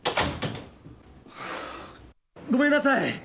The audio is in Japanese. ごめんなさい。